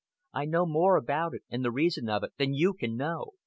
I know more about it and the reason of it than you can know!